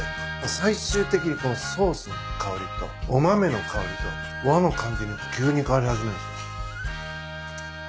最終的にこのソースの香りとお豆の香りと和の感じに急に変わり始めるんです。